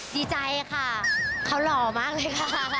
ดีใจค่ะเขาหล่อมากเลยค่ะ